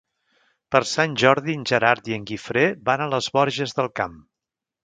Per Sant Jordi en Gerard i en Guifré van a les Borges del Camp.